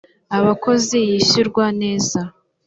abakozi yishyurwa neza